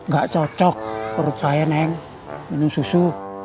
gak cocok perut saya neng minum susu